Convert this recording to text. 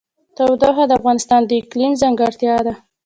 تودوخه د افغانستان د اقلیم ځانګړتیا ده.